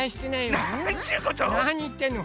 なにいってんの。